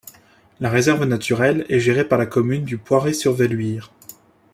La réserve naturelle est gérée par la commune du Poiré-sur-Velluire.